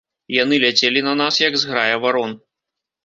Яны ляцелі на нас, як зграя варон.